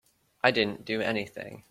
I didn't do anything.